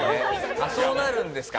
あっそうなるんですか？